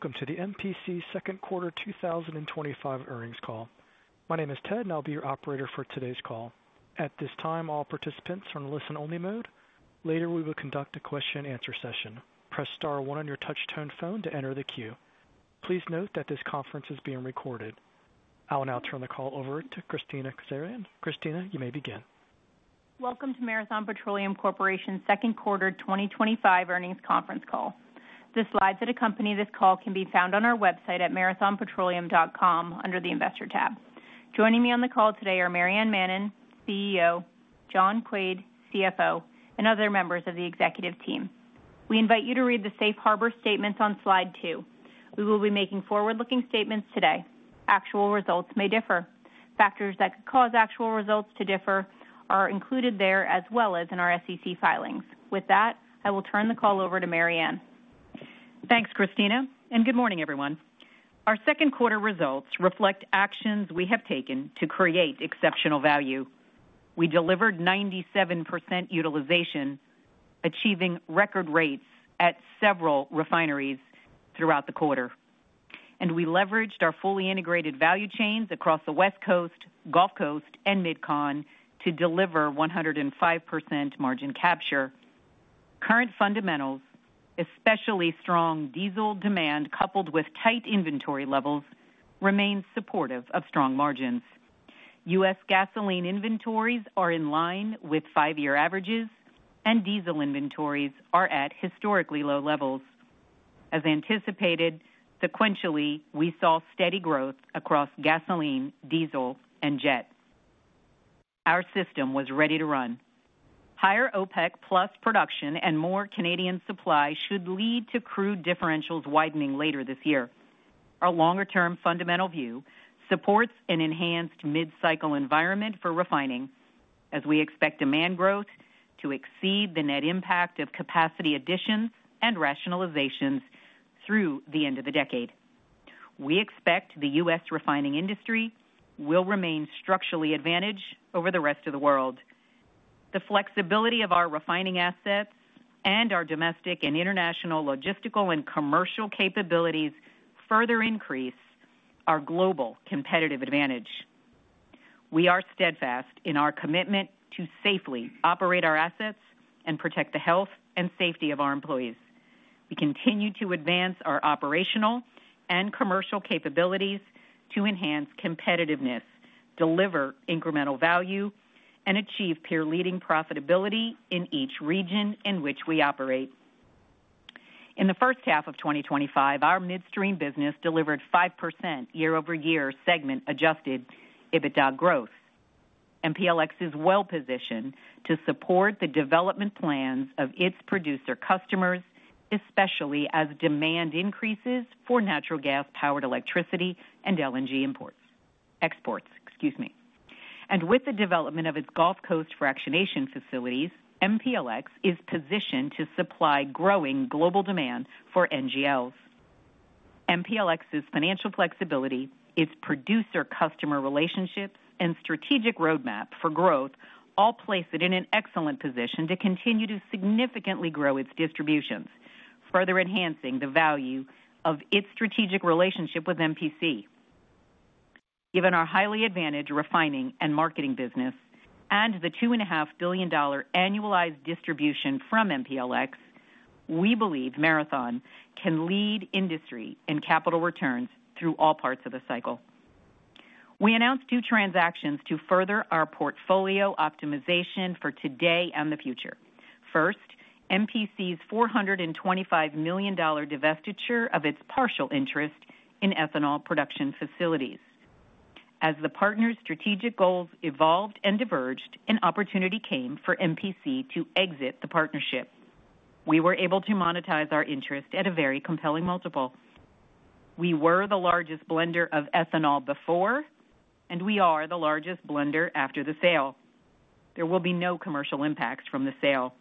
Welcome to the MPC second quarter 2025 earnings call. My name is Ted, and I'll be your operator for today's call. At this time, all participants are in a listen-only mode. Later, we will conduct a question-and-answer session. Press star one on your touch-tone phone to enter the queue. Please note that this conference is being recorded. I will now turn the call over to Kristina Kazarian. Kristina, you may begin. Welcome to Marathon Petroleum Corporation's second quarter 2025 earnings conference call. The slides that accompany this call can be found on our website at marathonpetroleum.com under the investor tabs. Joining me on the call today are Maryann Mannen, CEO, John Quaid, CFO, and other members of the executive team. We invite you to read the safe harbor statements on slide two. We will be making forward-looking statements today. Actual results may differ. Factors that could cause actual results to differ are included there as well as in our SEC filings. With that, I will turn the call over to Maryann. Thanks, Kristina, and good morning, everyone. Our second quarter results reflect actions we have taken to create exceptional value. We delivered 97% utilization, achieving record rates at several refineries throughout the quarter. We leveraged our fully integrated value chains across the West Coast, Gulf Coast, and Mid-Continent to deliver 105% margin capture. Current fundamentals, especially strong diesel demand coupled with tight inventory levels, remain supportive of strong margins. U.S. gasoline inventories are in line with five-year averages, and diesel inventories are at historically low levels. As anticipated, sequentially, we saw steady growth across gasoline, diesel, and jet. Our system was ready to run. Higher OPEC+ production and more Canadian supply should lead to crude differentials widening later this year. Our longer-term fundamental view supports an enhanced mid-cycle environment for refining, as we expect demand growth to exceed the net impact of capacity additions and rationalizations through the end of the decade. We expect the U.S. refining industry will remain structurally advantaged over the rest of the world. The flexibility of our refining assets and our domestic and international logistical and commercial capabilities further increase our global competitive advantage. We are steadfast in our commitment to safely operate our assets and protect the health and safety of our employees. We continue to advance our operational and commercial capabilities to enhance competitiveness, deliver incremental value, and achieve peer-leading profitability in each region in which we operate. In the first half of 2025, our midstream business delivered 5% year-over-year segment-adjusted EBITDA growth. MPLX is well-positioned to support the development plans of its producer customers, especially as demand increases for natural gas-powered electricity and LNG exports. With the development of its Gulf Coast fractionation facilities, MPLX is positioned to supply growing global demand for NGLs. MPLX's financial flexibility, its producer-customer relationships, and strategic roadmap for growth all place it in an excellent position to continue to significantly grow its distributions, further enhancing the value of its strategic relationship with MPC. Given our highly advantaged refining and marketing business and the $2.5 billion annualized distribution from MPLX, we believe Marathon can lead industry and capital returns through all parts of the cycle. We announced two transactions to further our portfolio optimization for today and the future. First, MPC's $425 million divestiture of its partial interest in ethanol production facilities. As the partners' strategic goals evolved and diverged, an opportunity came for MPC to exit the partnership. We were able to monetize our interest at a very compelling multiple. We were the largest blender of ethanol before, and we are the largest blender after the sale. There will be no commercial impacts from the sale.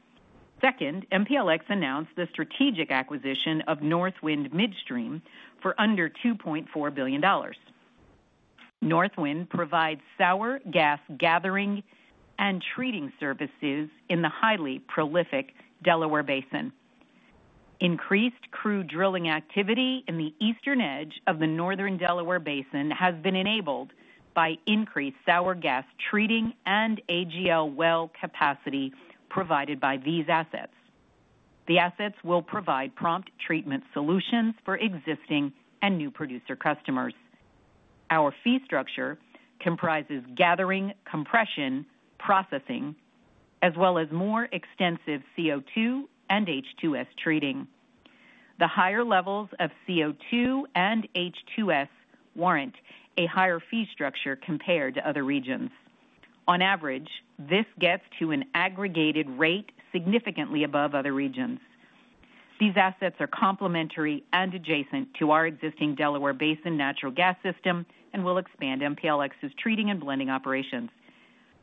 Second, MPLX announced the strategic acquisition of North Wind Midstream for under $2.4 billion. North Wind provides sour gas gathering and treating services in the highly prolific Delaware Basin. Increased crude drilling activity in the eastern edge of the northern Delaware Basin has been enabled by increased sour gas treating and AGL well capacity provided by these assets. The assets will provide prompt treatment solutions for existing and new producer customers. Our fee structure comprises gathering, compression, processing, as well as more extensive CO2 and H2S treating. The higher levels of CO2 and H2S warrant a higher fee structure compared to other regions. On average, this gets to an aggregated rate significantly above other regions. These assets are complementary and adjacent to our existing Delaware Basin natural gas system and will expand MPLX's treating and blending operations.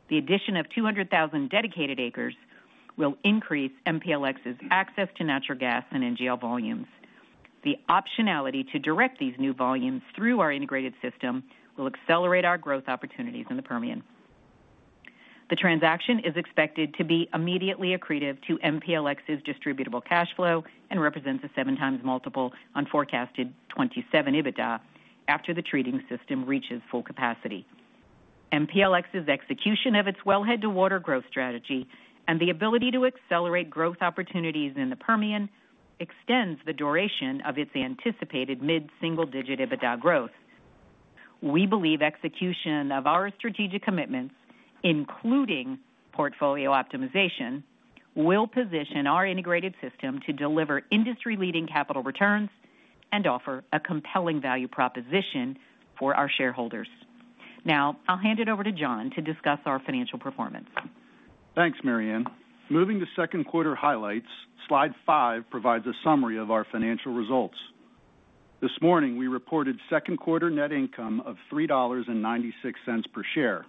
The addition of 200,000 dedicated acres will increase MPLX's access to natural gas and NGL volumes. The optionality to direct these new volumes through our integrated system will accelerate our growth opportunities in the Permian. The transaction is expected to be immediately accretive to MPLX's distributable cash flow and represents a 7x multiple on forecasted 2027 EBITDA after the treating system reaches full capacity. MPLX's execution of its well-head-to-water growth strategy and the ability to accelerate growth opportunities in the Permian extend the duration of its anticipated mid-single-digit EBITDA growth. We believe execution of our strategic commitments, including portfolio optimization, will position our integrated system to deliver industry-leading capital returns and offer a compelling value proposition for our shareholders. Now, I'll hand it over to John to discuss our financial performance. Thanks, Maryann. Moving to second quarter highlights, slide five provides a summary of our financial results. This morning, we reported second quarter net income of $3.96 per share,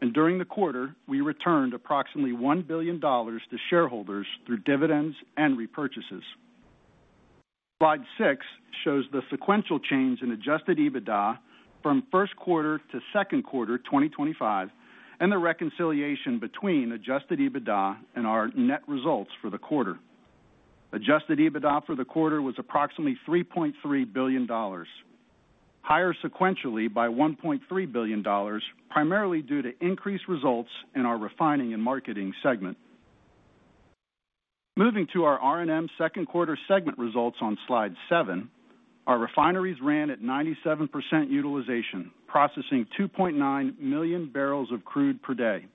and during the quarter, we returned approximately $1 billion to shareholders through dividends and repurchases. Slide six shows the sequential change in adjusted EBITDA from first quarter to second quarter 2025 and the reconciliation between adjusted EBITDA and our net results for the quarter. Adjusted EBITDA for the quarter was approximately $3.3 billion, higher sequentially by $1.3 billion, primarily due to increased results in our refining and marketing segment. Moving to our R&M second quarter segment results on slide seven, our refineries ran at 97% utilization, processing 2.9 million bbl of crude per day.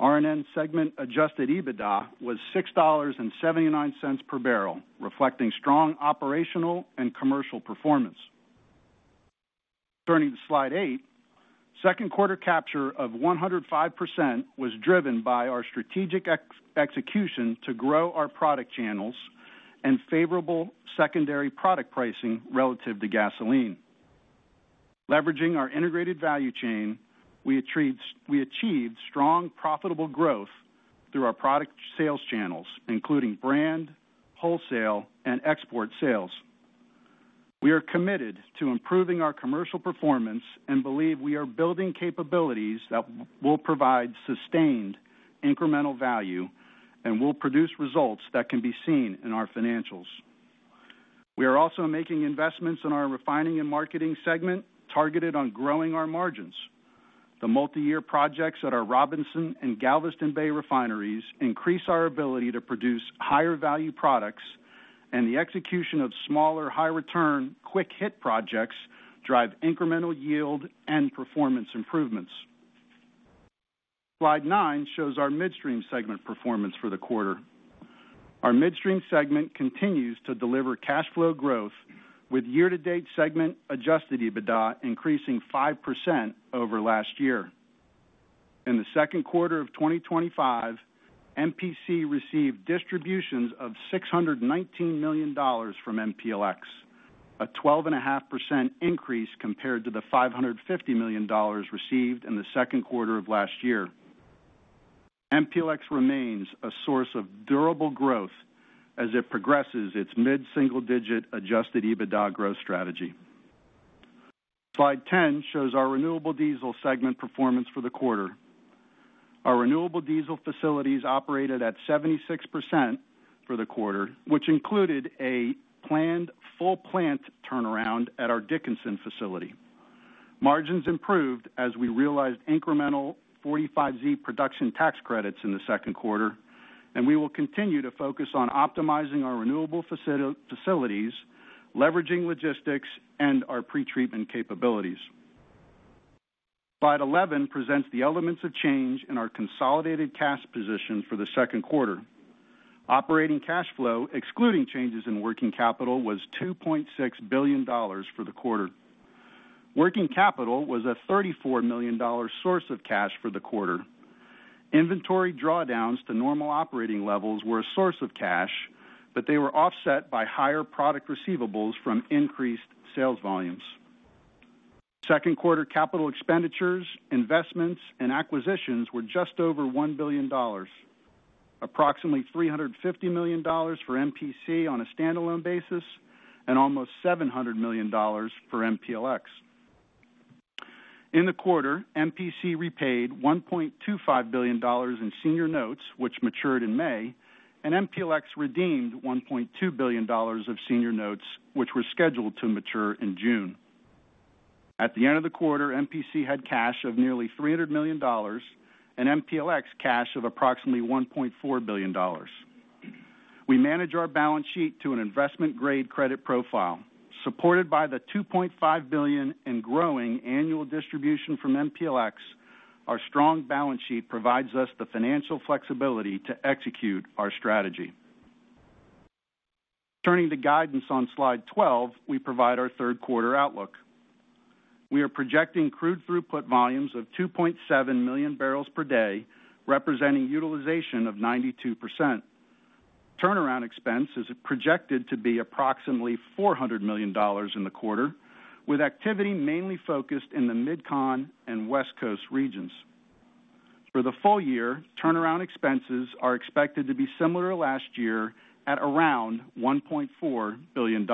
R&M segment adjusted EBITDA was $6.79 per bbl, reflecting strong operational and commercial performance. Turning to slide eight, second quarter capture of 105% was driven by our strategic execution to grow our product channels and favorable secondary product pricing relative to gasoline. Leveraging our integrated value chain, we achieved strong profitable growth through our product sales channels, including brand, wholesale, and export sales. We are committed to improving our commercial performance and believe we are building capabilities that will provide sustained incremental value and will produce results that can be seen in our financials. We are also making investments in our refining and marketing segment targeted on growing our margins. The multi-year projects at our Robinson and Galveston Bay refineries increase our ability to produce higher value products, and the execution of smaller, high-return, quick-hit projects drives incremental yield and performance improvements. Slide nine shows our midstream segment performance for the quarter. Our midstream segment continues to deliver cash flow growth, with year-to-date segment adjusted EBITDA increasing 5% over last year. In the second quarter of 2025, MPC received distributions of $619 million from MPLX, a 12.5% increase compared to the $550 million received in the second quarter of last year. MPLX remains a source of durable growth as it progresses its mid-single-digit adjusted EBITDA growth strategy. Slide 10 shows our renewable diesel segment performance for the quarter. Our renewable diesel facilities operated at 76% for the quarter, which included a planned full plant turnaround at our Dickinson facility. Margins improved as we realized incremental 45Z production tax credits in the second quarter, and we will continue to focus on optimizing our renewable facilities, leveraging logistics, and our pretreatment capabilities. Slide 11 presents the elements of change in our consolidated cash position for the second quarter. Operating cash flow, excluding changes in working capital, was $2.6 billion for the quarter. Working capital was a $34 million source of cash for the quarter. Inventory drawdowns to normal operating levels were a source of cash, but they were offset by higher product receivables from increased sales volumes. Second quarter capital expenditures, investments, and acquisitions were just over $1 billion, approximately $350 million for MPC on a standalone basis and almost $700 million for MPLX. In the quarter, MPC repaid $1.25 billion in senior notes, which matured in May, and MPLX redeemed $1.2 billion of senior notes, which were scheduled to mature in June. At the end of the quarter, MPC had cash of nearly $300 million and MPLX cash of approximately $1.4 billion. We manage our balance sheet to an investment-grade credit profile. Supported by the $2.5 billion and growing annual distribution from MPLX, our strong balance sheet provides us the financial flexibility to execute our strategy. Turning to guidance on slide 12, we provide our third quarter outlook. We are projecting crude throughput volumes of 2.7 MMbpd, representing utilization of 92%. Turnaround expense is projected to be approximately $400 million in the quarter, with activity mainly focused in the Mid-Continent and West Coast regions. For the full year, turnaround expenses are expected to be similar to last year at around $1.4 billion.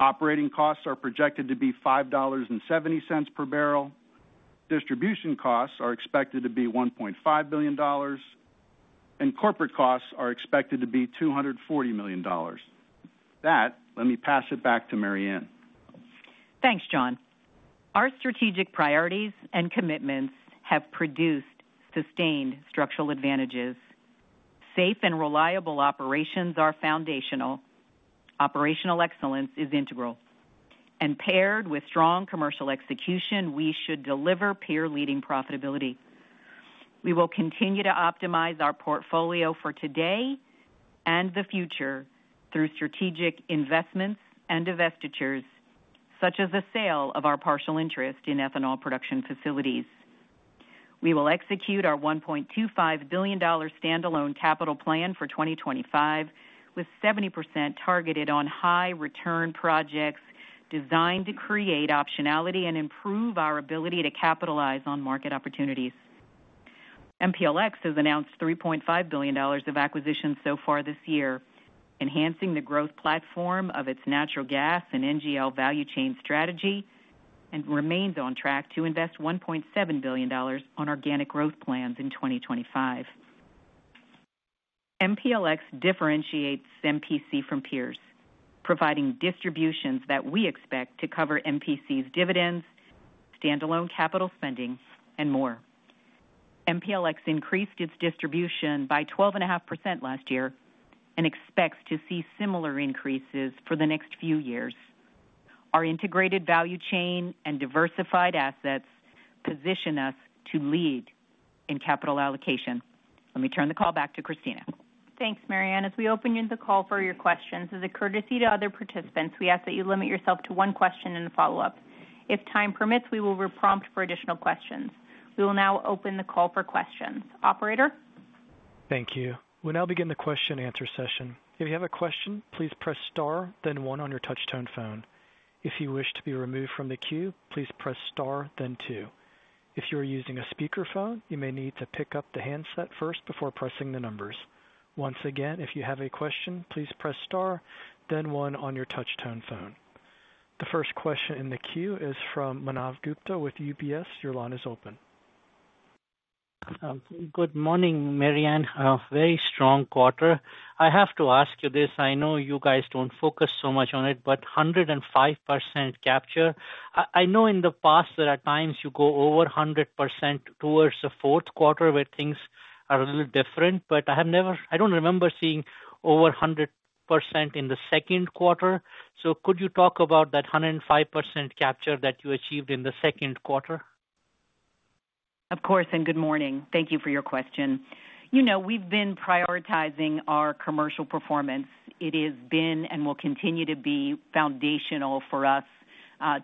Operating costs are projected to be $5.70 per bbl. Distribution costs are expected to be $1.5 billion, and corporate costs are expected to be $240 million. That, let me pass it back to Maryann. Thanks, John. Our strategic priorities and commitments have produced sustained structural advantages. Safe and reliable operations are foundational. Operational excellence is integral. Paired with strong commercial execution, we should deliver peer-leading profitability. We will continue to optimize our portfolio for today and the future through strategic investments and divestitures, such as the sale of our partial interest in ethanol production facilities. We will execute our $1.25 billion standalone capital plan for 2025, with 70% targeted on high-return projects designed to create optionality and improve our ability to capitalize on market opportunities. MPLX has announced $3.5 billion of acquisitions so far this year, enhancing the growth platform of its natural gas and NGL value chain strategy, and remains on track to invest $1.7 billion on organic growth plans in 2025. MPLX differentiates MPC from peers, providing distributions that we expect to cover MPC's dividends, standalone capital spending, and more. MPLX increased its distribution by 12.5% last year and expects to see similar increases for the next few years. Our integrated value chain and diversified assets position us to lead in capital allocation. Let me turn the call back to Kristina. Thanks, Maryann. As we open the call for your questions, as a courtesy to other participants, we ask that you limit yourself to one question and a follow-up. If time permits, we will reprompt for additional questions. We will now open the call for questions. Operator? Thank you. We'll now begin the question-and-answer session. If you have a question, please press star, then one on your touch-tone phone. If you wish to be removed from the queue, please press star, then two. If you are using a speaker phone, you may need to pick up the handset first before pressing the numbers. Once again, if you have a question, please press star, then one on your touch-tone phone. The first question in the queue is from Manav Gupta with UBS. Your line is open. Good morning, Maryann. Very strong quarter. I have to ask you this. I know you guys don't focus so much on it, but 105% capture. I know in the past that at times you go over 100% towards the fourth quarter where things are a little different, but I don't remember seeing over 100% in the second quarter. Could you talk about that 105% capture that you achieved in the second quarter? Of course, and good morning. Thank you for your question. We've been prioritizing our commercial performance. It has been and will continue to be foundational for us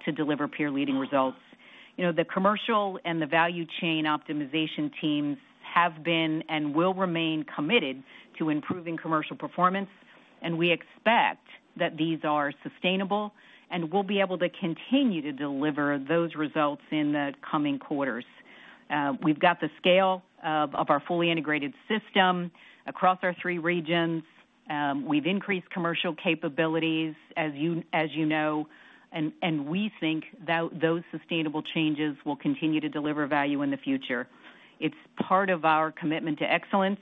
to deliver peer-leading results. The commercial and the value chain optimization teams have been and will remain committed to improving commercial performance, and we expect that these are sustainable and will be able to continue to deliver those results in the coming quarters. We've got the scale of our fully integrated system across our three regions. We've increased commercial capabilities, as you know, and we think that those sustainable changes will continue to deliver value in the future. It's part of our commitment to excellence,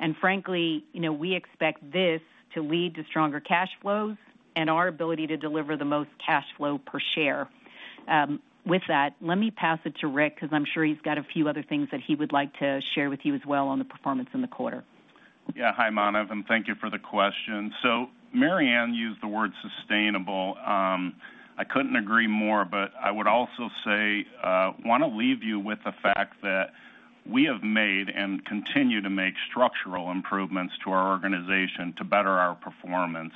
and frankly, we expect this to lead to stronger cash flows and our ability to deliver the most cash flow per share. With that, let me pass it to Rick, because I'm sure he's got a few other things that he would like to share with you as well on the performance in the quarter. Yeah, hi, Manav, and thank you for the question. Maryann used the word sustainable. I couldn't agree more, but I would also say I want to leave you with the fact that we have made and continue to make structural improvements to our organization to better our performance.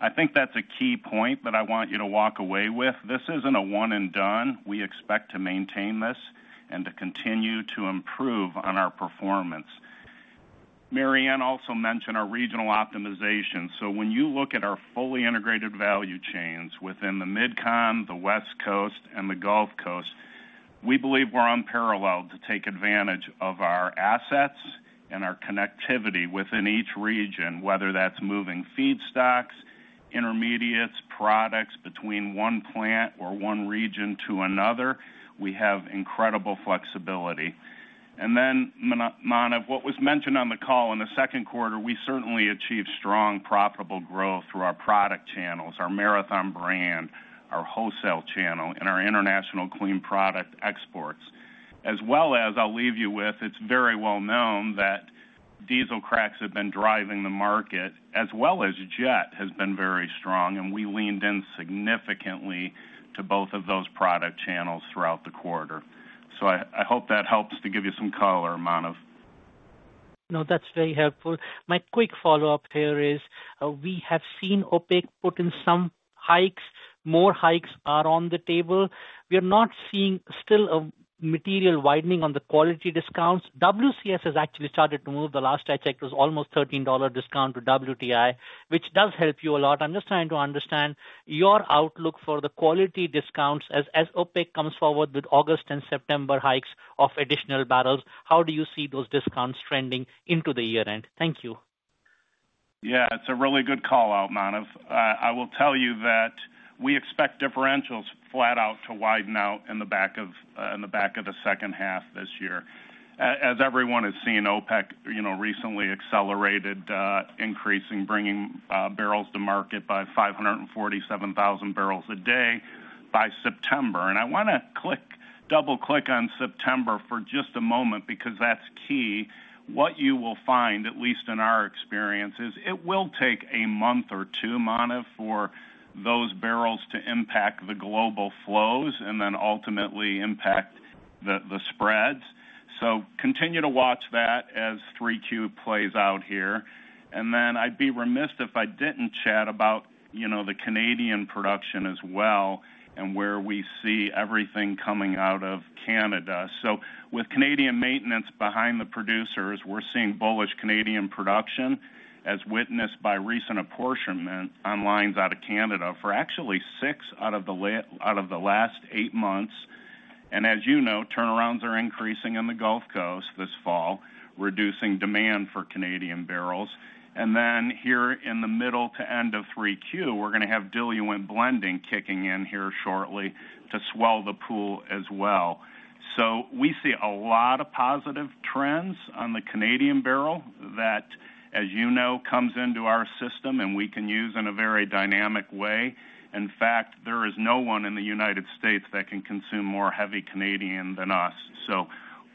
I think that's a key point that I want you to walk away with. This isn't a one-and-done. We expect to maintain this and to continue to improve on our performance. Maryann also mentioned our regional optimization. When you look at our fully integrated value chains within the Mid-Continent, the West Coast, and the Gulf Coast, we believe we're unparalleled to take advantage of our assets and our connectivity within each region, whether that's moving feedstocks, intermediates, products between one plant or one region to another. We have incredible flexibility. Manav, what was mentioned on the call in the second quarter, we certainly achieved strong profitable growth through our product channels, our Marathon brand, our wholesale channel, and our international clean product exports. It's very well known that diesel cracks have been driving the market, as well as jet has been very strong, and we leaned in significantly to both of those product channels throughout the quarter. I hope that helps to give you some color, Manav. No, that's very helpful. My quick follow-up here is we have seen OPEC put in some hikes. More hikes are on the table. We are not seeing still a material widening on the quality discounts. WCS has actually started to move. The last I checked, it was almost a $13 discount to WTI, which does help you a lot. I'm just trying to understand your outlook for the quality discounts as OPEC comes forward with August and September hikes of additional barrels. How do you see those discounts trending into the year-end? Thank you. Yeah, it's a really good call-out, Manav. I will tell you that we expect differentials flat out to widen out in the back of the second half this year. As everyone has seen, OPEC recently accelerated increasing, bringing barrels to market by 547,000 bbl a day by September. I want to double-click on September for just a moment because that's key. What you will find, at least in our experience, is it will take a month or two, Manav, for those barrels to impact the global flows and then ultimately impact the spreads. Continue to watch that as 3Q plays out here. I'd be remiss if I didn't chat about the Canadian production as well and where we see everything coming out of Canada. With Canadian maintenance behind the producers, we're seeing bullish Canadian production as witnessed by recent apportionment on lines out of Canada for actually six out of the last eight months. As you know, turnarounds are increasing in the Gulf Coast this fall, reducing demand for Canadian barrels. Here in the middle to end of 3Q, we're going to have diluent blending kicking in here shortly to swell the pool as well. We see a lot of positive trends on the Canadian barrel that, as you know, comes into our system and we can use in a very dynamic way. In fact, there is no one in the United States that can consume more heavy Canadian than us.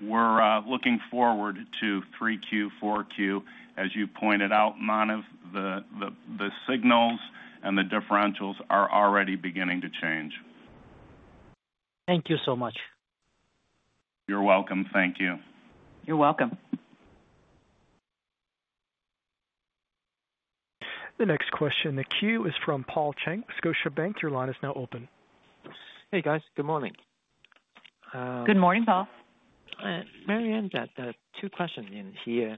We're looking forward to 3Q, 4Q. As you pointed out, Manav, the signals and the differentials are already beginning to change. Thank you so much. You're welcome. Thank you. You're welcome. The next question in the queue is from Paul Cheng, Scotiabank. Your line is now open. Hey, guys. Good morning. Good morning, Paul. Maryann, two questions in here.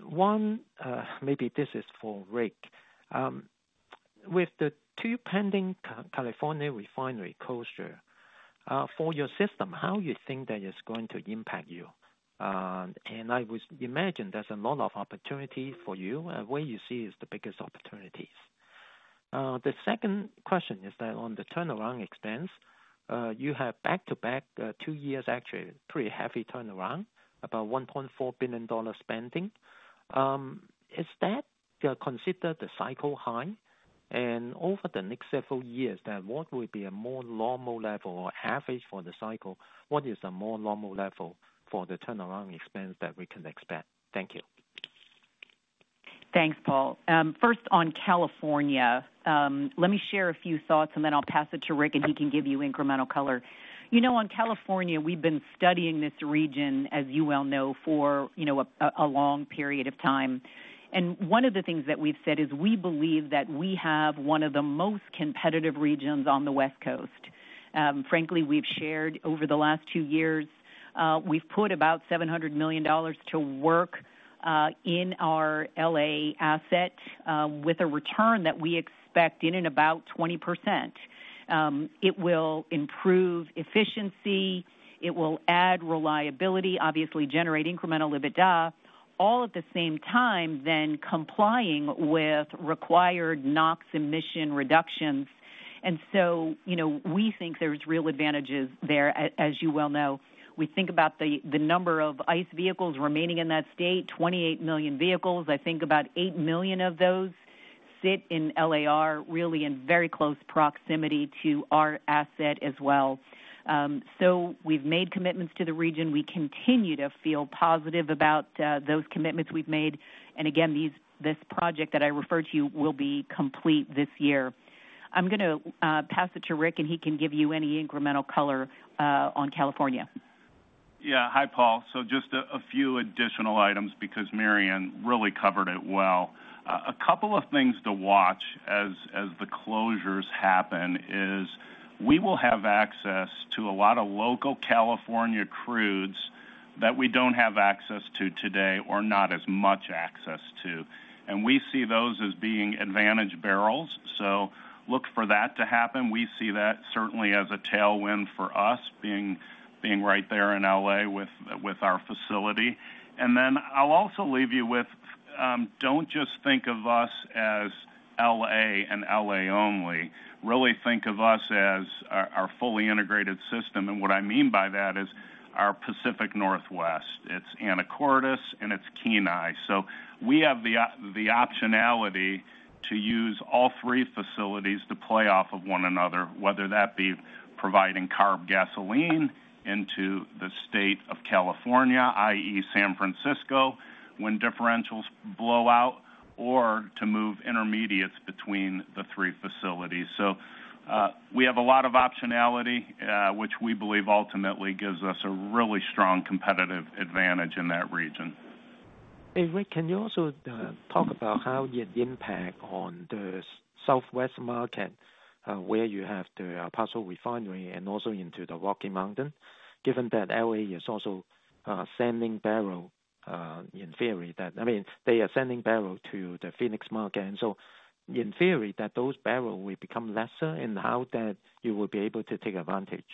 One, maybe this is for Rick. With the two pending California refinery closures, for your system, how do you think that is going to impact you? I would imagine there's a lot of opportunity for you. Where do you see the biggest opportunities? The second question is that on the turnaround expense, you have back-to-back two years, actually, pretty heavy turnaround, about $1.4 billion spending. Is that considered the cycle high? Over the next several years, what would be a more normal level or average for the cycle? What is the more normal level for the turnaround expense that we can expect? Thank you. Thanks, Paul. First, on California, let me share a few thoughts, and then I'll pass it to Rick, and he can give you incremental color. On California, we've been studying this region, as you well know, for a long period of time. One of the things that we've said is we believe that we have one of the most competitive regions on the West Coast. Frankly, we've shared over the last two years, we've put about $700 million to work in our LA asset with a return that we expect in and about 20%. It will improve efficiency. It will add reliability, obviously generate incremental EBITDA, all at the same time complying with required NOx emission reductions. We think there's real advantages there, as you well know. We think about the number of ICE vehicles remaining in that state, 28 million vehicles. I think about 8 million of those sit in LAR, really in very close proximity to our asset as well. We've made commitments to the region. We continue to feel positive about those commitments we've made. This project that I referred to will be complete this year. I'm going to pass it to Rick, and he can give you any incremental color on California. Yeah, hi, Paul. Just a few additional items because Maryann really covered it well. A couple of things to watch as the closures happen is we will have access to a lot of local California crudes that we don't have access to today or not as much access to. We see those as being advantage barrels. Look for that to happen. We see that certainly as a tailwind for us being right there in LA with our facility. I'll also leave you with don't just think of us as LA and LA only. Really think of us as our fully integrated system. What I mean by that is our Pacific Northwest. It's Anacortes and it's Kenai. We have the optionality to use all three facilities to play off of one another, whether that be providing CARB gasoline into the state of California, i.e., San Francisco, when differentials blow out, or to move intermediates between the three facilities. We have a lot of optionality, which we believe ultimately gives us a really strong competitive advantage in that region. Hey, Rick, can you also talk about how the impact on the Southwest market where you have the Apostle Refinery and also into the Rocky Mountain, given that LA is also sending barrel, in theory, that I mean, they are sending barrel to the Phoenix market. In theory, those barrels will become lesser and how that you will be able to take advantage.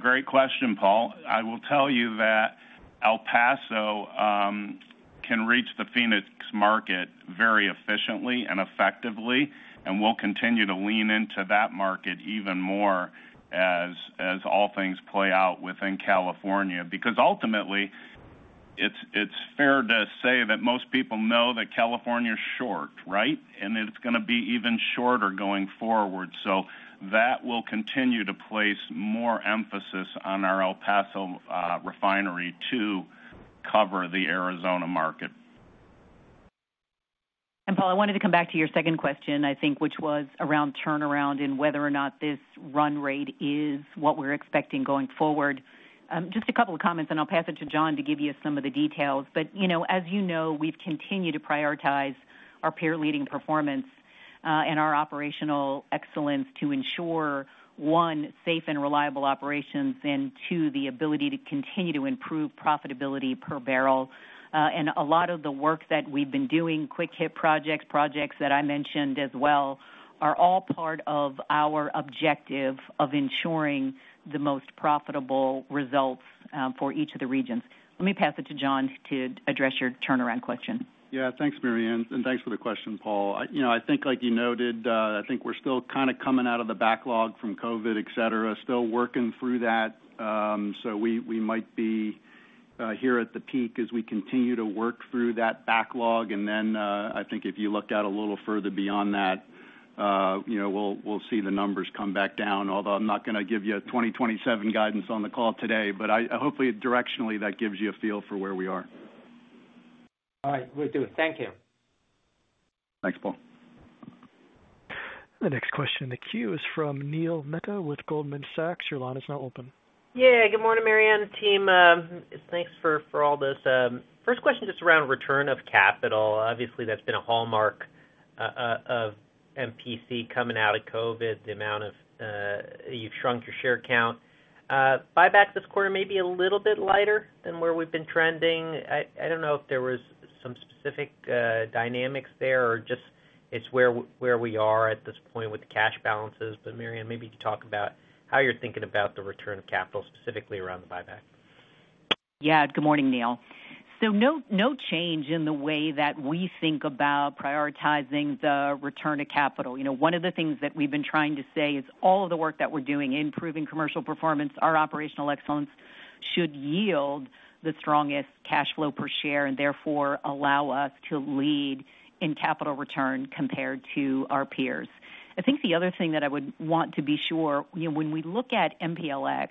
Great question, Paul. I will tell you that El Paso can reach the Phoenix market very efficiently and effectively, and we'll continue to lean into that market even more as all things play out within California. Ultimately, it's fair to say that most people know that California's short, right? It's going to be even shorter going forward. That will continue to place more emphasis on our El Paso refinery to cover the Arizona market. Paul, I wanted to come back to your second question, I think, which was around turnaround and whether or not this run rate is what we're expecting going forward. Just a couple of comments, and I'll pass it to John to give you some of the details. As you know, we've continued to prioritize our peer-leading performance and our operational excellence to ensure, one, safe and reliable operations, and two, the ability to continue to improve profitability per barrel. A lot of the work that we've been doing, quick-hit projects, projects that I mentioned as well, are all part of our objective of ensuring the most profitable results for each of the regions. Let me pass it to John to address your turnaround question. Yeah, thanks, Maryann, and thanks for the question, Paul. I think, like you noted, I think we're still kind of coming out of the backlog from COVID, et cetera, still working through that. We might be here at the peak as we continue to work through that backlog. If you look out a little further beyond that, we'll see the numbers come back down. Although I'm not going to give you 2027 guidance on the call today, hopefully directionally that gives you a feel for where we are. All right, will do. Thank you. Thanks, Paul. The next question in the queue is from Neil Mehta with Goldman Sachs. Your line is now open. Yeah, good morning, Maryann. Team, thanks for all this. First question just around return of capital. Obviously, that's been a hallmark of MPC coming out of COVID, the amount you've shrunk your share count. Buyback this quarter may be a little bit lighter than where we've been trending. I don't know if there were some specific dynamics there or just it's where we are at this point with the cash balances. Maryann, maybe you could talk about how you're thinking about the return of capital specifically around the buyback. Good morning, Neil. No change in the way that we think about prioritizing the return of capital. One of the things that we've been trying to say is all of the work that we're doing, improving commercial performance, our operational excellence should yield the strongest cash flow per share and therefore allow us to lead in capital return compared to our peers. The other thing that I would want to be sure, when we look at MPLX,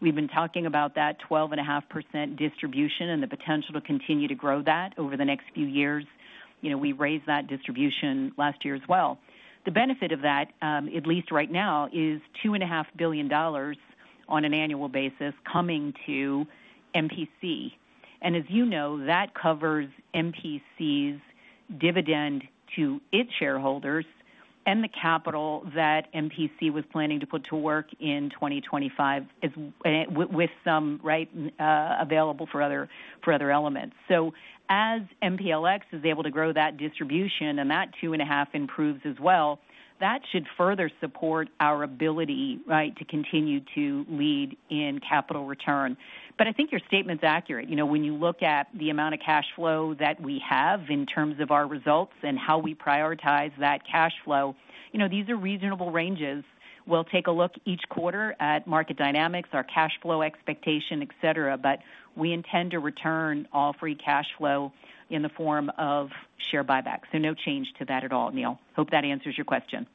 we've been talking about that 12.5% distribution and the potential to continue to grow that over the next few years. We raised that distribution last year as well. The benefit of that, at least right now, is $2.5 billion on an annual basis coming to MPC. As you know, that covers MPC's dividend to its shareholders and the capital that MPC was planning to put to work in 2025 with some right available for other elements. As MPLX is able to grow that distribution and that 2.5% improves as well, that should further support our ability to continue to lead in capital return. I think your statement's accurate. When you look at the amount of cash flow that we have in terms of our results and how we prioritize that cash flow, these are reasonable ranges. We'll take a look each quarter at market dynamics, our cash flow expectation, et cetera, but we intend to return all free cash flow in the form of share buybacks. No change to that at all, Neil. Hope that answers your question.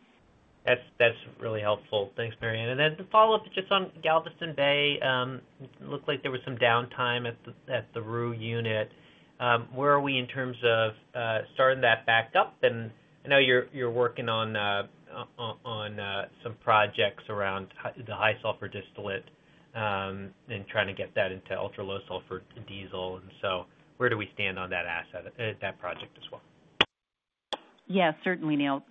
That's really helpful. Thanks, Maryann. To follow up, it's just on Galveston Bay. It looked like there was some downtime at the RUE unit. Where are we in terms of starting that back up? I know you're working on some projects around the high sulfur distillate and trying to get that into ultra-low sulfur diesel. Where do we stand on that asset, that project as well? Yeah, certainly, Neil.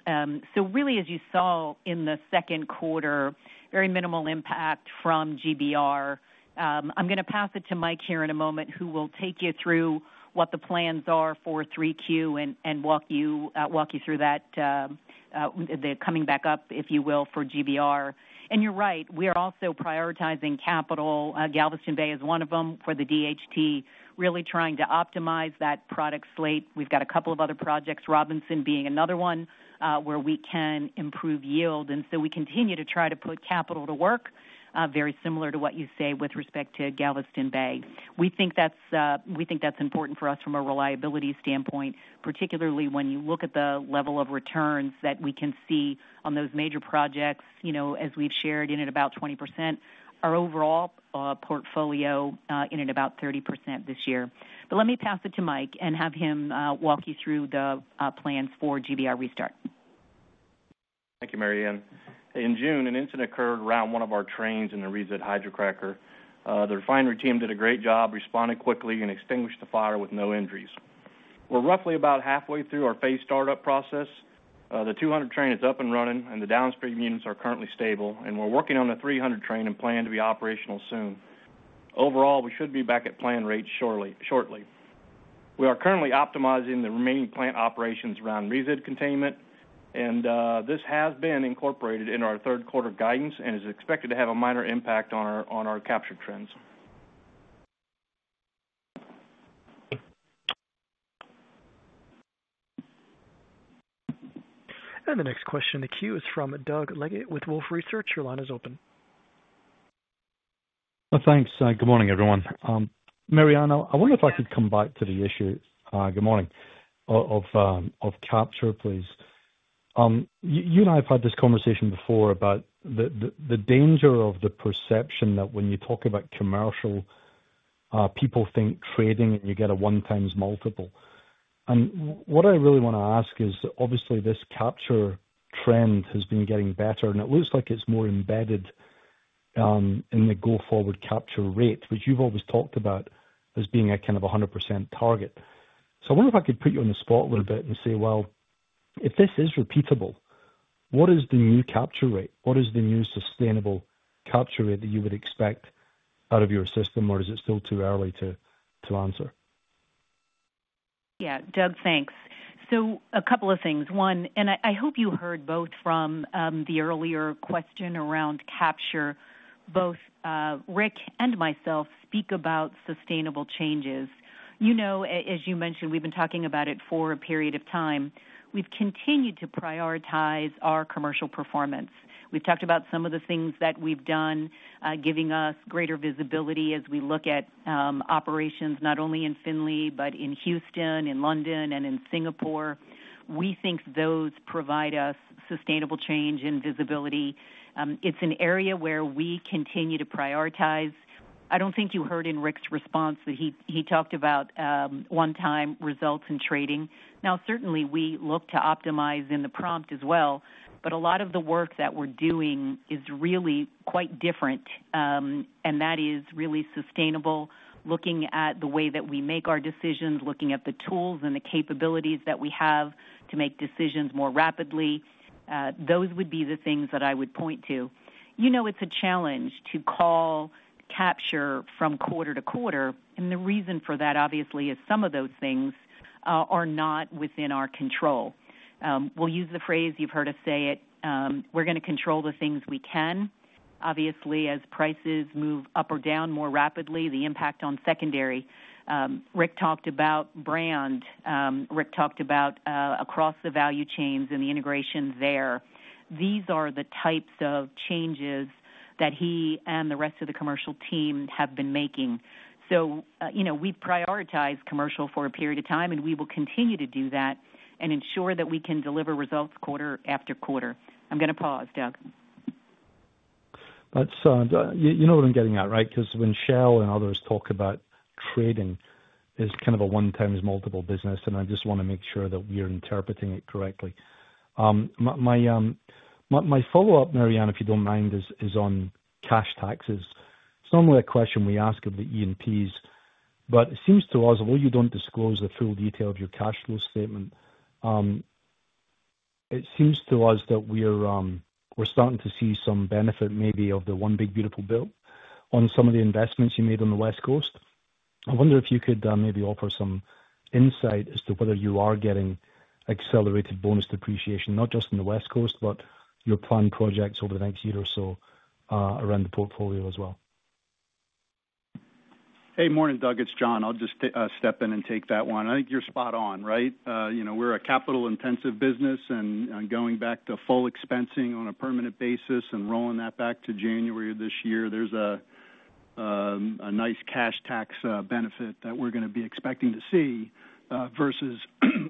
Really, as you saw in the second quarter, very minimal impact from GBR. I'm going to pass it to Mike here in a moment, who will take you through what the plans are for 3Q and walk you through that, the coming back up, if you will, for GBR. You're right. We are also prioritizing capital. Galveston Bay is one of them for the DHT, really trying to optimize that product slate. We've got a couple of other projects, Robinson being another one where we can improve yield. We continue to try to put capital to work, very similar to what you say with respect to Galveston Bay. We think that's important for us from a reliability standpoint, particularly when you look at the level of returns that we can see on those major projects. As we've shared, in at about 20%, our overall portfolio in at about 30% this year. Let me pass it to Mike and have him walk you through the plans for GBR restart. Thank you, Maryann. In June, an incident occurred around one of our trains in the recent hydrocracker. The refinery team did a great job responding quickly and extinguished the fire with no injuries. We're roughly about halfway through our phase startup process. The 200 train is up and running, and the downstream units are currently stable, and we're working on the 300 train and plan to be operational soon. Overall, we should be back at plan rates shortly. We are currently optimizing the remaining plant operations around reset containment, and this has been incorporated in our third quarter guidance and is expected to have a minor impact on our capture trends. The next question in the queue is from Doug Leggate with Wolfe Research. Your line is open. Thanks. Good morning, everyone. Maryann, I wonder if I could come back to the issue. Good morning. Of capture, please. You and I have had this conversation before about the danger of the perception that when you talk about commercial, people think trading and you get a one-times multiple. What I really want to ask is, obviously, this capture trend has been getting better, and it looks like it's more embedded in the go-forward capture rate, which you've always talked about as being a kind of 100% target. I wonder if I could put you on the spot a little bit and say, if this is repeatable, what is the new capture rate? What is the new sustainable capture rate that you would expect out of your system, or is it still too early to answer? Yeah, Doug, thanks. A couple of things. One, and I hope you heard both from the earlier question around capture, both Rick and myself speak about sustainable changes. As you mentioned, we've been talking about it for a period of time. We've continued to prioritize our commercial performance. We've talked about some of the things that we've done, giving us greater visibility as we look at operations not only in Findlay, but in Houston, in London, and in Singapore. We think those provide us sustainable change and visibility. It's an area where we continue to prioritize. I don't think you heard in Rick's response that he talked about one-time results in trading. Certainly, we look to optimize in the prompt as well, but a lot of the work that we're doing is really quite different, and that is really sustainable. Looking at the way that we make our decisions, looking at the tools and the capabilities that we have to make decisions more rapidly, those would be the things that I would point to. It's a challenge to call capture from quarter to quarter, and the reason for that, obviously, is some of those things are not within our control. We'll use the phrase, you've heard us say it, we're going to control the things we can. Obviously, as prices move up or down more rapidly, the impact on secondary. Rick talked about brand. Rick talked about across the value chains and the integration there. These are the types of changes that he and the rest of the commercial team have been making. We prioritize commercial for a period of time, and we will continue to do that and ensure that we can deliver results quarter after quarter. I'm going to pause, Doug. You know what I'm getting at, right? Because when Shell and others talk about trading, it's kind of a one-times multiple business, and I just want to make sure that we're interpreting it correctly. My follow-up, Maryann, if you don't mind, is on cash taxes. It's normally a question we ask of the E&Ps, but it seems to us, although you don't disclose the full detail of your cash flow statement, it seems to us that we're starting to see some benefit maybe of the One Big Beautiful Bill on some of the investments you made on the West Coast. I wonder if you could maybe offer some insight as to whether you are getting accelerated bonus depreciation, not just in the West Coast, but your planned projects over the next year or so around the portfolio as well. Hey, morning, Doug. It's John. I'll just step in and take that one. I think you're spot on, right? You know, we're a capital-intensive business, and going back to full expensing on a permanent basis and rolling that back to January of this year, there's a nice cash tax benefit that we're going to be expecting to see versus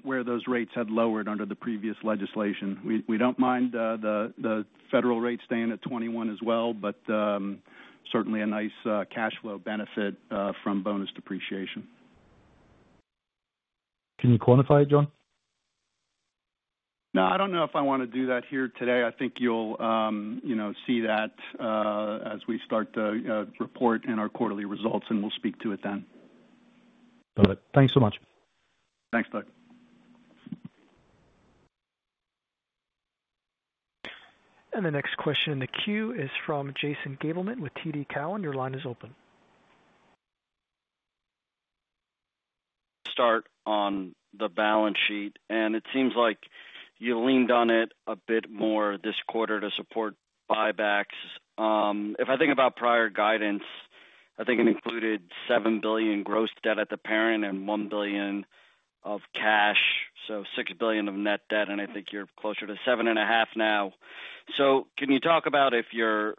where those rates had lowered under the previous legislation. We don't mind the federal rate staying at 21% as well, but certainly a nice cash flow benefit from bonus depreciation. Can you quantify it, John? No, I don't know if I want to do that here today. I think you'll see that as we start the report and our quarterly results, and we'll speak to it then. Got it. Thanks so much. Thanks, Doug. The next question in the queue is from Jason Gabelman with TD Cowen. Your line is open. Start on the balance sheet, and it seems like you leaned on it a bit more this quarter to support buybacks. If I think about prior guidance, I think it included $7 billion gross debt at the parent and $1 billion of cash, so $6 billion of net debt, and I think you're closer to $7.5 billion now. Can you talk about if your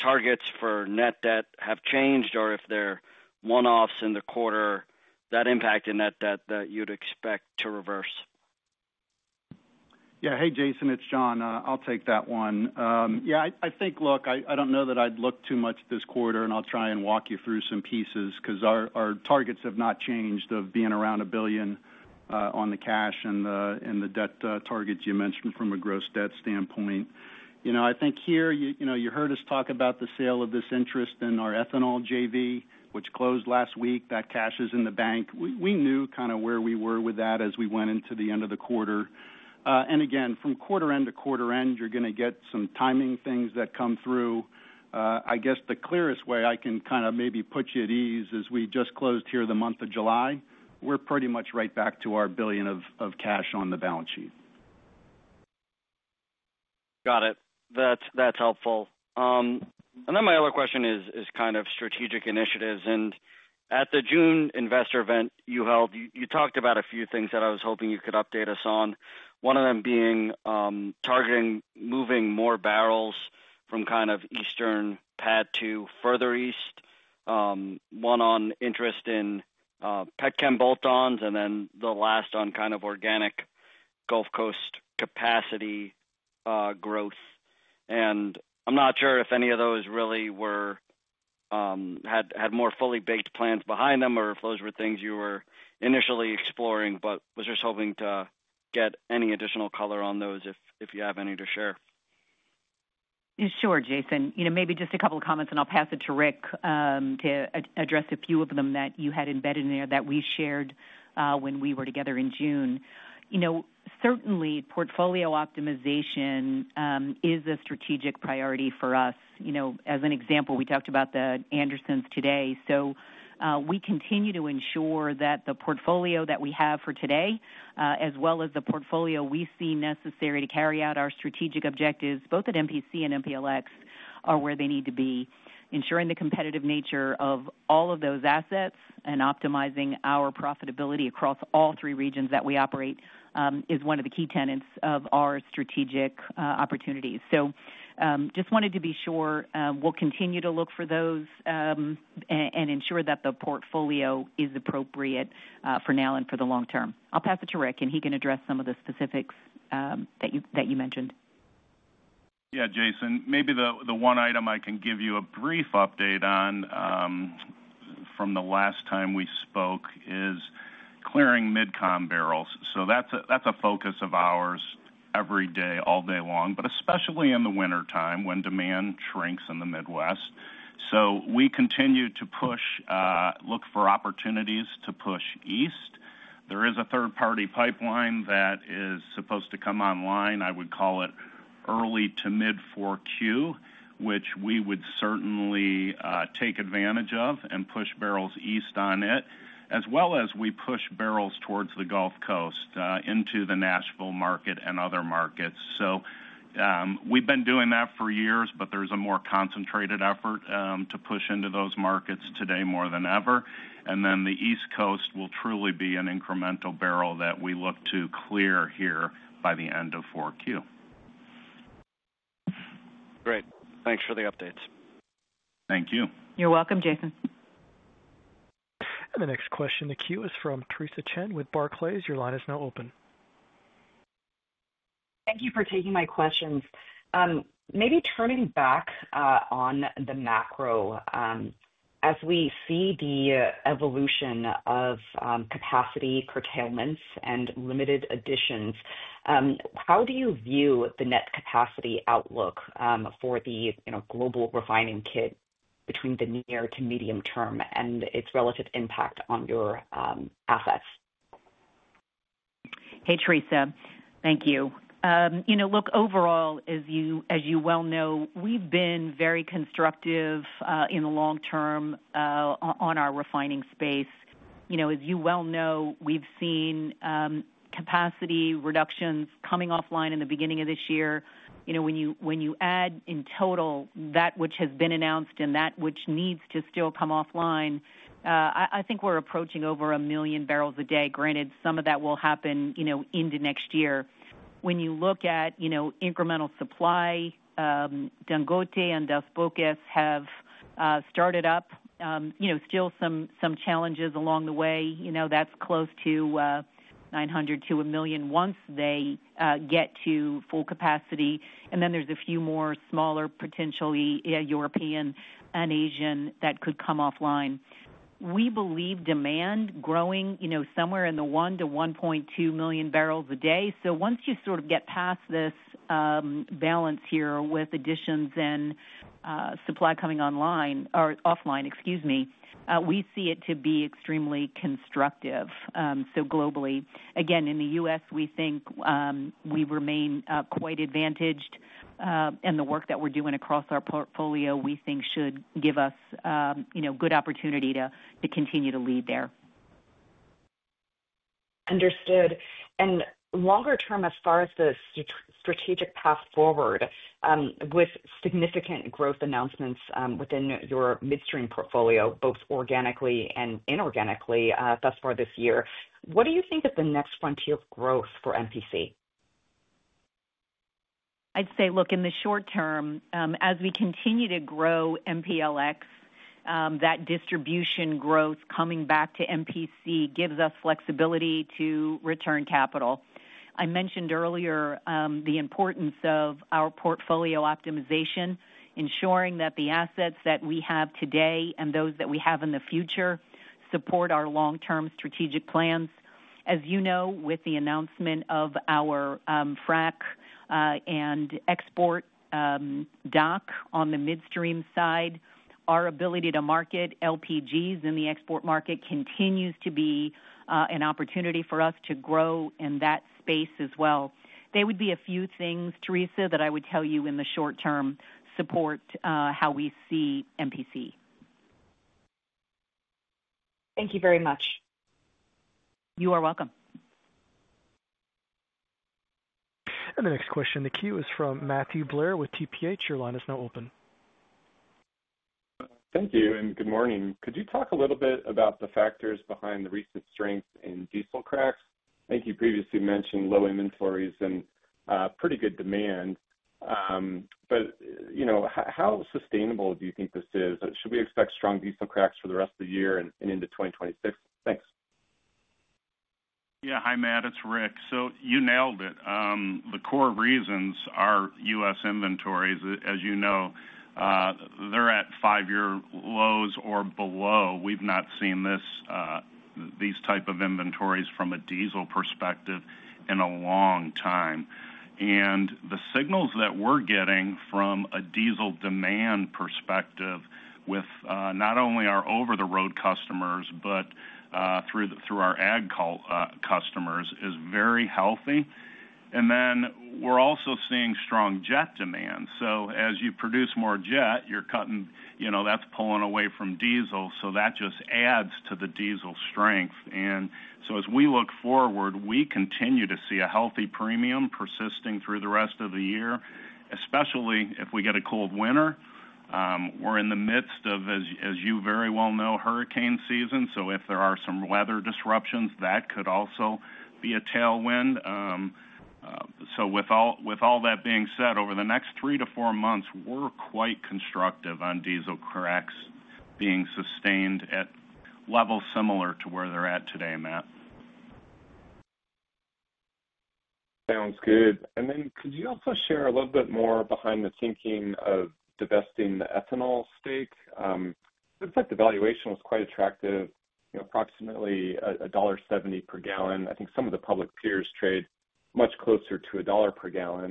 targets for net debt have changed or if there are one-offs in the quarter that impacted net debt that you'd expect to reverse? Yeah, hey, Jason, it's John. I'll take that one. I think, look, I don't know that I'd look too much at this quarter, and I'll try and walk you through some pieces because our targets have not changed of being around $1 billion on the cash and the debt targets you mentioned from a gross debt standpoint. I think here, you heard us talk about the sale of this interest in our ethanol JV, which closed last week. That cash is in the bank. We knew kind of where we were with that as we went into the end of the quarter. From quarter end to quarter end, you're going to get some timing things that come through. I guess the clearest way I can kind of maybe put you at ease is we just closed here the month of July. We're pretty much right back to our $1 billion of cash on the balance sheet. Got it. That's helpful. My other question is kind of strategic initiatives. At the June investor event you held, you talked about a few things that I was hoping you could update us on, one of them being targeting moving more barrels from kind of Eastern pad to further east, one on interest in PetChem bolt-ons, and the last on kind of organic Gulf Coast capacity growth. I'm not sure if any of those really had more fully baked plans behind them or if those were things you were initially exploring, but was just hoping to get any additional color on those if you have any to share. Sure, Jason. Maybe just a couple of comments, and I'll pass it to Rick to address a few of them that you had embedded in there that we shared when we were together in June. Certainly, portfolio optimization is a strategic priority for us. As an example, we talked about the Andersens today. We continue to ensure that the portfolio that we have for today, as well as the portfolio we see necessary to carry out our strategic objectives, both at MPC and MPLX, are where they need to be. Ensuring the competitive nature of all of those assets and optimizing our profitability across all three regions that we operate is one of the key tenets of our strategic opportunities. I just wanted to be sure we'll continue to look for those and ensure that the portfolio is appropriate for now and for the long term. I'll pass it to Rick, and he can address some of the specifics that you mentioned. Yeah, Jason, maybe the one item I can give you a brief update on from the last time we spoke is clearing Mid-Continent barrels. That's a focus of ours every day, all day long, especially in the wintertime when demand shrinks in the Midwest. We continue to push, look for opportunities to push east. There is a third-party pipeline that is supposed to come online. I would call it early to mid 4Q, which we would certainly take advantage of and push barrels east on it, as well as we push barrels towards the Gulf Coast into the Nashville market and other markets. We've been doing that for years, but there's a more concentrated effort to push into those markets today more than ever. The East Coast will truly be an incremental barrel that we look to clear here by the end of 4Q. Great. Thanks for the updates. Thank you. You're welcome, Jason. The next question in the queue is from Theresa Chen with Barclays. Your line is now open. Thank you for taking my questions. Maybe turning back on the macro, as we see the evolution of capacity curtailments and limited additions, how do you view the net capacity outlook for the global refining kit between the near to medium term and its relative impact on your assets? Hey, Theresa. Thank you. You know, look, overall, as you well know, we've been very constructive in the long term on our refining space. As you well know, we've seen capacity reductions coming offline in the beginning of this year. When you add in total that which has been announced and that which needs to still come offline, I think we're approaching over a million barrels a day. Granted, some of that will happen into next year. When you look at incremental supply, Dangote and Dos Bocas have started up, still some challenges along the way. That's close to 900 to a million once they get to full capacity. There are a few more smaller, potentially European and Asian, that could come offline. We believe demand growing somewhere in the 1 million bbl-1.2 million bbl a day. Once you sort of get past this balance here with additions and supply coming online, or offline, excuse me, we see it to be extremely constructive. Globally, again, in the U.S., we think we remain quite advantaged, and the work that we're doing across our portfolio, we think should give us good opportunity to continue to lead there. Understood. Longer term, as far as the strategic path forward, with significant growth announcements within your midstream portfolio, both organically and inorganically, thus far this year, what do you think is the next frontier of growth for MPC? I'd say, in the short term, as we continue to grow MPLX, that distribution growth coming back to MPC gives us flexibility to return capital. I mentioned earlier the importance of our portfolio optimization, ensuring that the assets that we have today and those that we have in the future support our long-term strategic plans. As you know, with the announcement of our frac and export dock on the midstream side, our ability to market LPGs in the export market continues to be an opportunity for us to grow in that space as well. They would be a few things, Theresa, that I would tell you in the short term support how we see MPC. Thank you very much. You are welcome. The next question in the queue is from Matthew Blair with TPH. Your line is now open. Thank you, and good morning. Could you talk a little bit about the factors behind the recent strength in diesel cracks? I think you previously mentioned low inventories and pretty good demand. How sustainable do you think this is? Should we expect strong diesel cracks for the rest of the year and into 2026? Thanks. Yeah, hi Matt. It's Rick. You nailed it. The core reasons are U.S. inventories. As you know, they're at five-year lows or below. We've not seen these types of inventories from a diesel perspective in a long time. The signals that we're getting from a diesel demand perspective with not only our over-the-road customers, but through our ag customers is very healthy. We're also seeing strong jet demand. As you produce more jet, that's pulling away from diesel. That just adds to the diesel strength. As we look forward, we continue to see a healthy premium persisting through the rest of the year, especially if we get a cold winter. We're in the midst of, as you very well know, hurricane season. If there are some weather disruptions, that could also be a tailwind. With all that being said, over the next three to four months, we're quite constructive on diesel cracks being sustained at levels similar to where they're at today, Matt. Sounds good. Could you also share a little bit more behind the thinking of divesting the ethanol stake? It looks like the valuation was quite attractive, approximately $1.70/gal. I think some of the public peers trade much closer to $1/gal.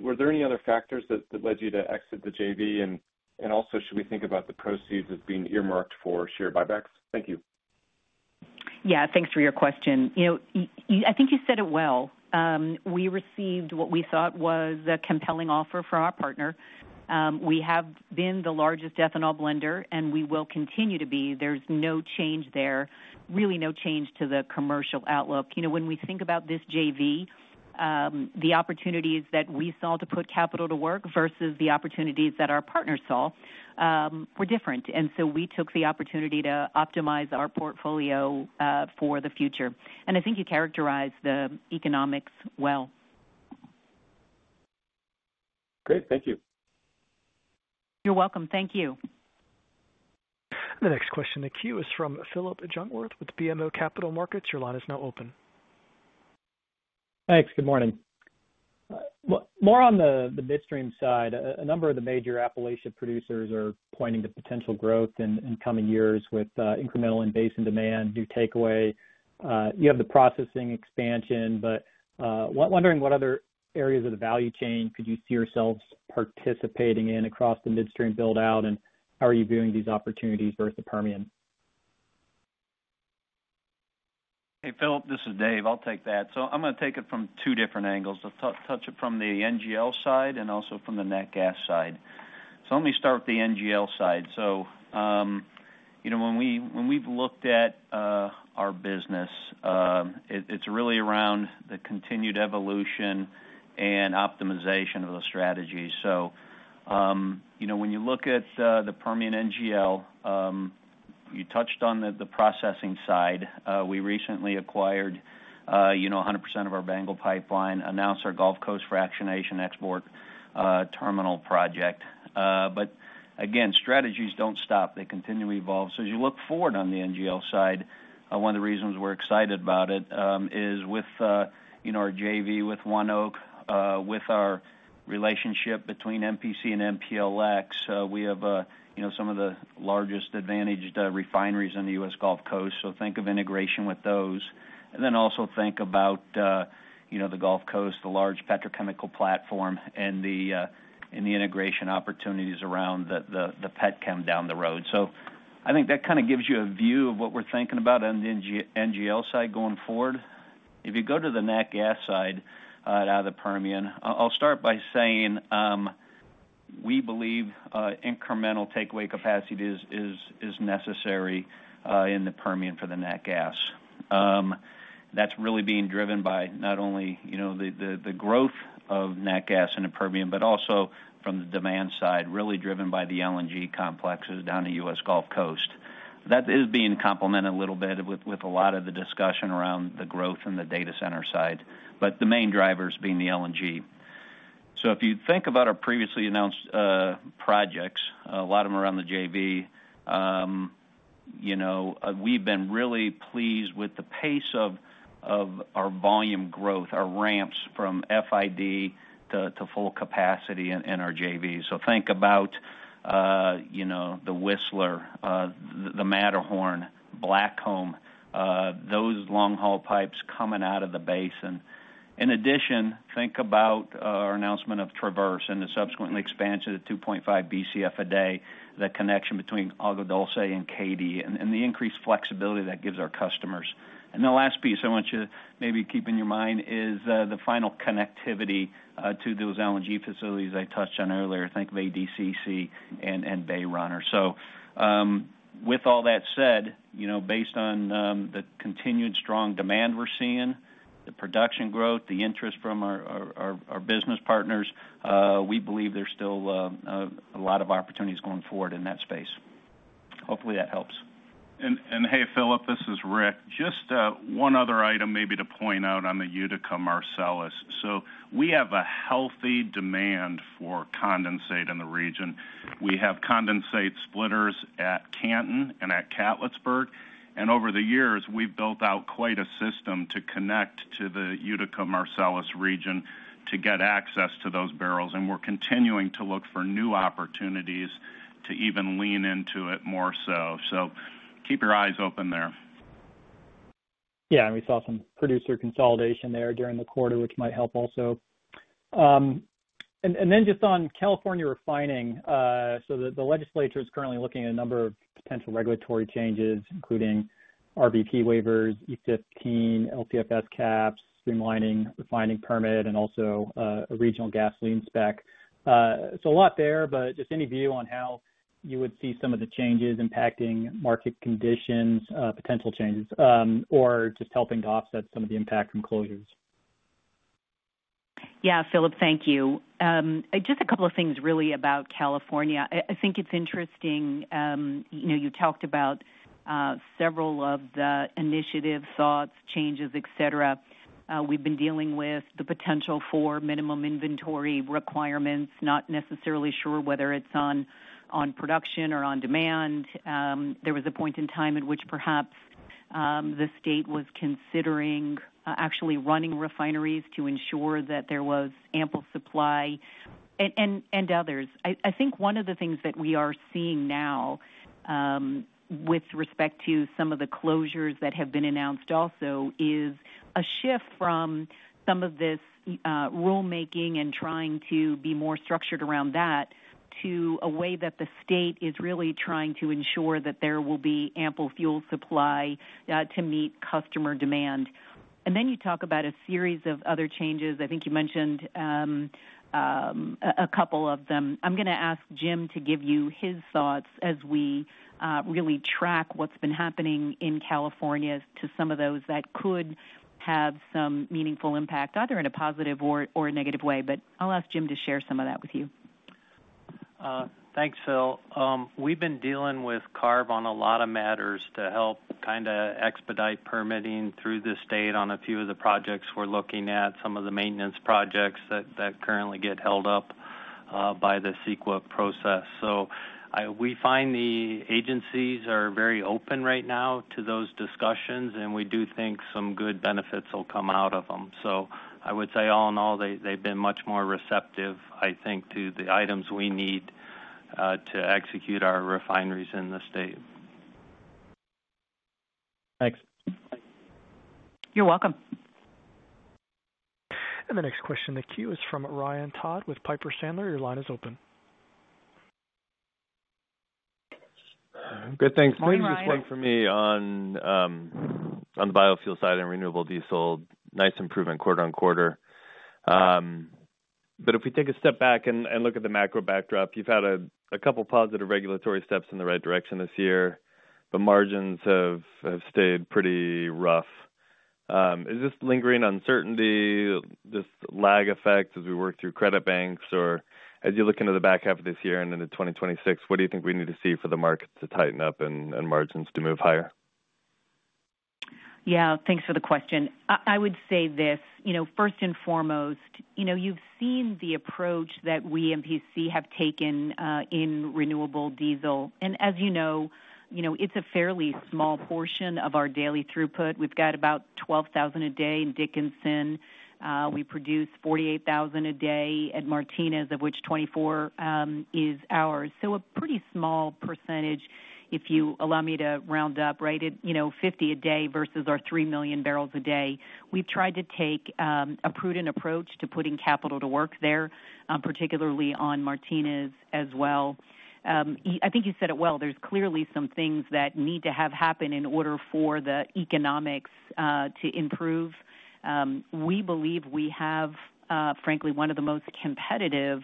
Were there any other factors that led you to exit the JV? Should we think about the proceeds as being earmarked for share buybacks? Thank you. Yeah, thanks for your question. I think you said it well. We received what we thought was a compelling offer from our partner. We have been the largest ethanol blender, and we will continue to be. There's no change there, really no change to the commercial outlook. When we think about this JV, the opportunities that we saw to put capital to work versus the opportunities that our partners saw were different. We took the opportunity to optimize our portfolio for the future. I think you characterized the economics well. Great. Thank you. You're welcome. Thank you. The next question in the queue is from Philip Jungwirth with BMO Capital Markets. Your line is now open. Thanks. Good morning. More on the midstream side, a number of the major Appalachia producers are pointing to potential growth in coming years with incremental invasion demand, new takeaway. You have the processing expansion, but wondering what other areas of the value chain could you see yourselves participating in across the midstream buildout? How are you viewing these opportunities vs the Permian? Hey, Philip. This is Dave. I'll take that. I'm going to take it from two different angles. I'll touch it from the NGL side and also from the net gas side. Let me start with the NGL side. When we've looked at our business, it's really around the continued evolution and optimization of those strategies. When you look at the Permian NGL, you touched on the processing side. We recently acquired 100% of our Bengal pipeline, announced our Gulf Coast fractionation export terminal project. Strategies don't stop. They continue to evolve. As you look forward on the NGL side, one of the reasons we're excited about it is with our JV with One Oak, with our relationship between MPC and MPLX. We have some of the largest advantaged refineries in the U.S. Gulf Coast. Think of integration with those. Also think about the Gulf Coast, the large petrochemical platform, and the integration opportunities around the PetChem down the road. I think that kind of gives you a view of what we're thinking about on the NGL side going forward. If you go to the net gas side out of the Permian, I'll start by saying we believe incremental takeaway capacity is necessary in the Permian for the net gas. That's really being driven by not only the growth of net gas in the Permian, but also from the demand side, really driven by the LNG complexes down to the U.S. Gulf Coast. That is being complemented a little bit with a lot of the discussion around the growth in the data center side, but the main drivers being the LNG. If you think about our previously announced projects, a lot of them around the JV, we've been really pleased with the pace of our volume growth, our ramps from FID to full capacity in our JV. Think about the Whistler, the Matterhorn, Blackcomb, those long-haul pipes coming out of the basin. In addition, think about our announcement of Traverse and the subsequent expansion to 2.5 BCF a day, the connection between Agodulce and Katie, and the increased flexibility that gives our customers. The last piece I want you to maybe keep in your mind is the final connectivity to those LNG facilities I touched on earlier. Think of ADCC and Bayrunner. With all that said, based on the continued strong demand we're seeing, the production growth, the interest from our business partners, we believe there's still a lot of opportunities going forward in that space. Hopefully, that helps. Hey, Philip, this is Rick. Just one other item maybe to point out on the Utica Marcellus. We have a healthy demand for condensate in the region. We have condensate splitters at Canton and at Catlettsburg. Over the years, we've built out quite a system to connect to the Utica Marcellus region to get access to those barrels. We're continuing to look for new opportunities to even lean into it more so. Keep your eyes open there. Yeah, we saw some producer consolidation there during the quarter, which might help also. Just on California refining, the legislature is currently looking at a number of potential regulatory changes, including RVP waivers, E-15, LTFS caps, streamlining refining permit, and also a regional gasoline spec. There is a lot there, but just any view on how you would see some of the changes impacting market conditions, potential changes, or just helping to offset some of the impact from closures. Yeah, Philip, thank you. Just a couple of things really about California. I think it's interesting. You know, you talked about several of the initiative thoughts, changes, et cetera. We've been dealing with the potential for minimum inventory requirements, not necessarily sure whether it's on production or on demand. There was a point in time in which perhaps the state was considering actually running refineries to ensure that there was ample supply and others. I think one of the things that we are seeing now with respect to some of the closures that have been announced also is a shift from some of this rulemaking and trying to be more structured around that to a way that the state is really trying to ensure that there will be ample fuel supply to meet customer demand. You talk about a series of other changes. I think you mentioned a couple of them. I'm going to ask Jim to give you his thoughts as we really track what's been happening in California to some of those that could have some meaningful impact, either in a positive or a negative way. I'll ask Jim to share some of that with you. Thanks, Phil. We've been dealing with CARB on a lot of matters to help expedite permitting through the state on a few of the projects we're looking at, some of the maintenance projects that currently get held up by the SQIP process. We find the agencies are very open right now to those discussions, and we do think some good benefits will come out of them. I would say all in all, they've been much more receptive, I think, to the items we need to execute our refineries in the state. Thanks. You're welcome. The next question in the queue is from Ryan Todd with Piper Sandler. Your line is open. Good, thanks. One big thing for me on the biofuel side and renewable diesel, nice improvement quarter-on-quarter. If we take a step back and look at the macro-backdrop, you've had a couple of positive regulatory steps in the right direction this year, but margins have stayed pretty rough. Is this lingering uncertainty, this lag effect as we work through credit banks, or as you look into the back half of this year and into 2026, what do you think we need to see for the market to tighten up and margins to move higher? Yeah, thanks for the question. I would say this, first and foremost, you've seen the approach that we, MPC, have taken in renewable diesel. As you know, it's a fairly small portion of our daily throughput. We've got about 12,000 a day in Dickinson. We produce 48,000 a day at Martinez, of which 24,000 is ours. A pretty small percentage, if you allow me to round up, at 50,000 a day versus our 3 MMbpd. We've tried to take a prudent approach to putting capital to work there, particularly on Martinez as well. I think you said it well. There are clearly some things that need to happen in order for the economics to improve. We believe we have, frankly, one of the most competitive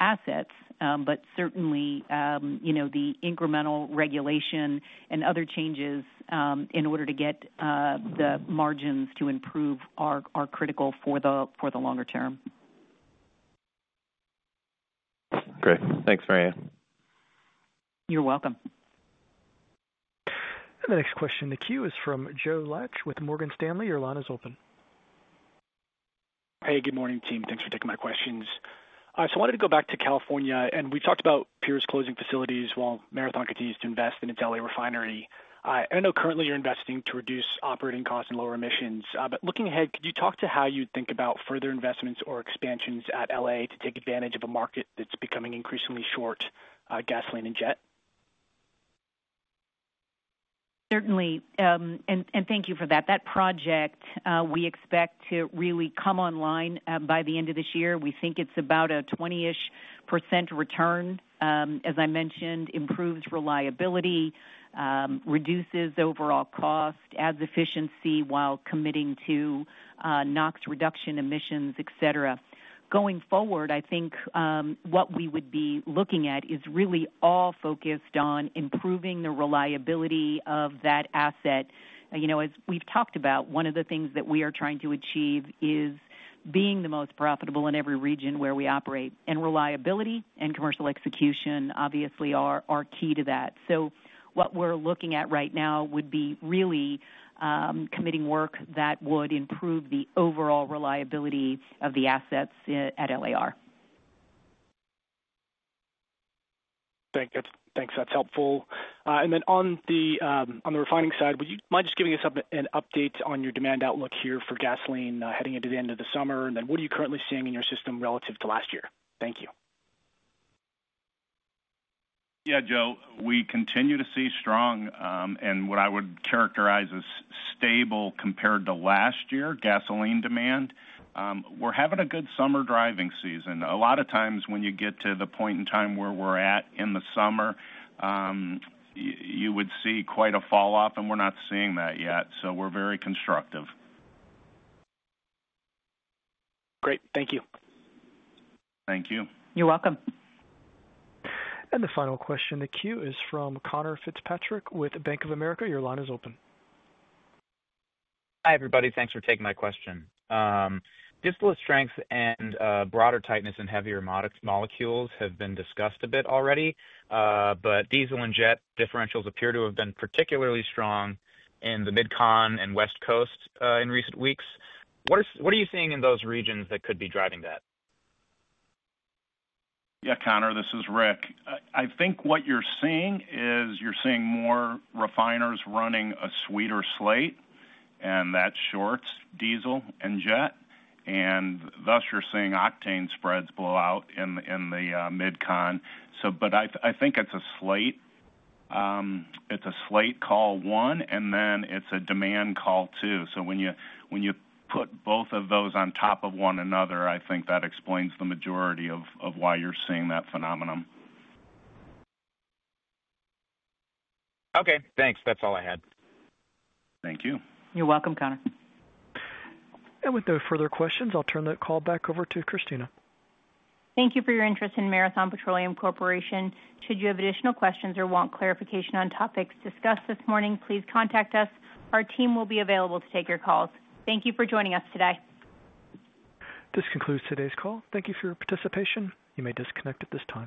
assets, but certainly, the incremental regulation and other changes in order to get the margins to improve are critical for the longer term. Great. Thanks, Maryann. You're welcome. The next question in the queue is from Joe Laetsch with Morgan Stanley. Your line is open. Hey, good morning, team. Thanks for taking my questions. I wanted to go back to California, and we talked about peers closing facilities while Marathon continues to invest in its LA refinery. I know currently you're investing to reduce operating costs and lower emissions. Looking ahead, could you talk to how you'd think about further investments or expansions at LA to take advantage of a market that's becoming increasingly short gasoline and jet? Certainly, and thank you for that. That project, we expect to really come online by the end of this year. We think it's about a 20% return. As I mentioned, improved reliability reduces overall cost, adds efficiency while committing to NOx reduction emissions, et cetera. Going forward, I think what we would be looking at is really all focused on improving the reliability of that asset. You know, as we've talked about, one of the things that we are trying to achieve is being the most profitable in every region where we operate. Reliability and commercial execution obviously are key to that. What we're looking at right now would be really committing work that would improve the overall reliability of the assets at LAR. Thanks. That's helpful. On the refining side, would you mind just giving us an update on your demand outlook here for gasoline heading into the end of the summer? What are you currently seeing in your system relative to last year? Thank you. Yeah, Joe, we continue to see strong, and what I would characterize as stable compared to last year, gasoline demand. We're having a good summer driving season. A lot of times when you get to the point in time where we're at in the summer, you would see quite a fall-off, and we're not seeing that yet. We're very constructive. Great. Thank you. Thank you. You're welcome. The final question in the queue is from Conor Fitzpatrick with Bank of America. Your line is open. Hi everybody, thanks for taking my question. Distilled strength and broader tightness in heavier molecules have been discussed a bit already, but diesel and jet differentials appear to have been particularly strong in the Mid-Continent and West Coast in recent weeks. What are you seeing in those regions that could be driving that? Yeah, Connor, this is Rick. I think what you're seeing is you're seeing more refiners running a sweeter slate, and that shorts diesel and jet. Thus, you're seeing octane spreads blow out in the Mid-Continent. I think it's a slate call one, and then it's a demand call two. When you put both of those on top of one another, I think that explains the majority of why you're seeing that phenomenon. Okay, thanks. That's all I had. Thank you. You're welcome, Connor. With no further questions, I'll turn the call back over to Kristina. Thank you for your interest in Marathon Petroleum Corporation. Should you have additional questions or want clarification on topics discussed this morning, please contact us. Our team will be available to take your calls. Thank you for joining us today. This concludes today's call. Thank you for your participation. You may disconnect at this time.